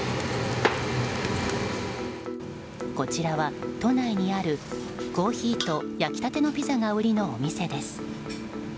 こちらは都内にあるコーヒーと焼きたてのピザが売りのお店です。